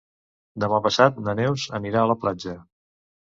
Demà passat na Neus anirà a la platja.